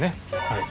はい。